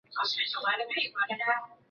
一定要远离市区